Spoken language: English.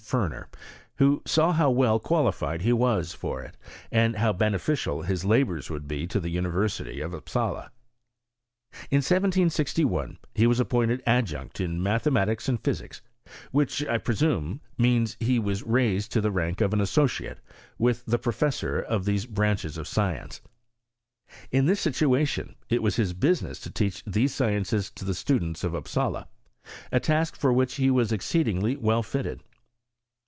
Ferner, who saw how well qua lified he was for it, and how beneficial his labouil would be to the University of Upsala. In 1761 ha was appointed adjunct in mathematics and physics, which, I presume, means that he wa^ raised bs the rank of an associate with the professor of these branches of science. In this situation it was his business to teach these sciences to the students of Upsala, a task for which he was exceedingly w^ fitted.